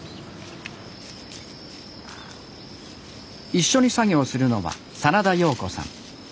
一緒に作業するのは真田陽子さん。